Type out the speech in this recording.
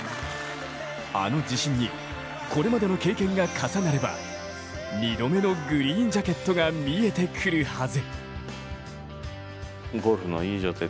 あの自信に、これまでの経験が重なれば２度目のグリーンジャケットが見えてくるはず。